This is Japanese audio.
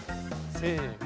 せの。